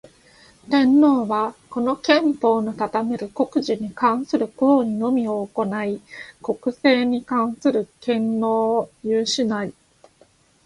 天皇は、この憲法の定める国事に関する行為のみを行ひ、国政に関する権能を有しない。